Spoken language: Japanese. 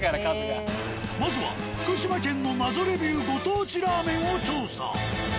まずは福島県の謎レビューご当地ラーメンを調査。